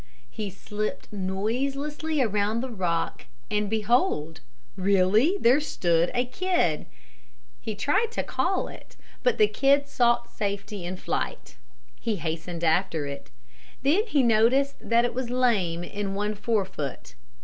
He slipped noiselessly around the rock and behold, really there stood a kid. He tried to call it, but the kid sought safety in flight. He hastened after it. Then he noticed that it was lame in one fore foot.